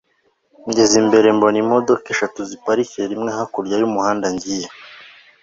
ngeze imbere mbona imodoka eshatu ziparikiye rimwe hakurya yumuhanda ngiye